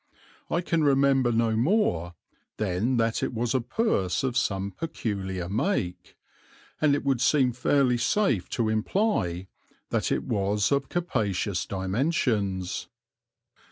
I can remember no more than that it was a purse of some peculiar make; and it would seem fairly safe to imply that it was of capacious dimensions.